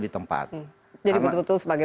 di tempat jadi betul betul sebagai